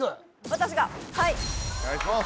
私がはい・お願いします